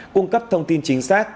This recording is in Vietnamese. cung cấp thông tin chính xác